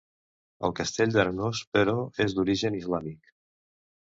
El castell d'Arenós, però, és d'origen islàmic.